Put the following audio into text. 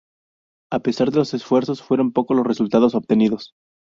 A pesar de los esfuerzos, fueron pocos los resultados obtenidos.